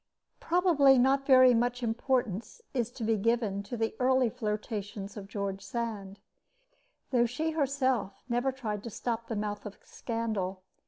Probably not very much importance is to be given to the earlier flirtations of George Sand, though she herself never tried to stop the mouth of scandal.